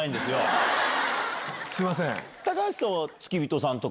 すいません。